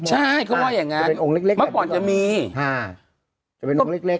ใช่ก็ว่าอย่างงั้นมันเป็นองค์เล็กเล็กมาก่อนจะมีฮ่าจะเป็นองค์เล็กเล็ก